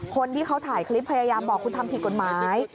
คนที่เขาถ่ายคลิปพยายามบอกคุณทำผิดกฎหมาย